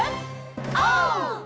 オー！